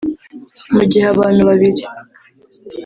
Mu gihe abantu babiri